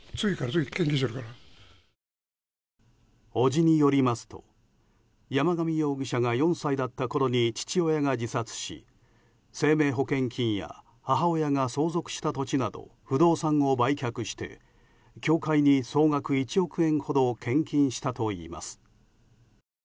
伯父によりますと山上容疑者が４歳だったころに父親が自殺し生命保険金や母親が相続した土地など不動産を売却して、教会に総額１億円ほど献金したといいます。